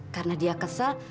karena dia kesel